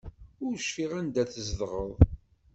Ur cfiɣ ara anda tzedɣeḍ.